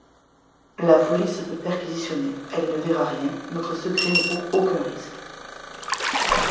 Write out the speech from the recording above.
La police peut perquisitionner, elle ne verra rien, notre secret ne court aucun risque.